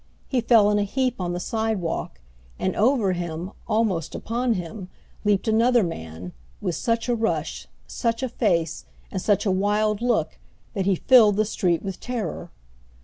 He fell in a heap on the sidewalk; and over him, almost upon him, leaped another man, with such a rush, such a face, and such a wild look, that he filled the street with terror.